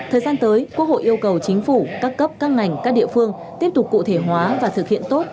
thời gian tới quốc hội yêu cầu chính phủ các cấp các ngành các địa phương tiếp tục cụ thể hóa và thực hiện tốt